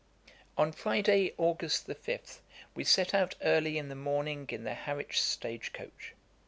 ] On Friday, August 5, we set out early in the morning in the Harwich stage coach.